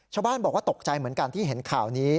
ชาวบ้านบอกว่าตกใจเหมือนกันที่เห็นข่าวนี้